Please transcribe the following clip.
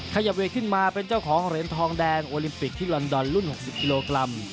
ขยับเวทขึ้นมาเป็นเจ้าของเหรียญทองแดงโอลิมปิกที่ลอนดอนรุ่น๖๐กิโลกรัม